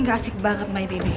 ini gak asik banget my baby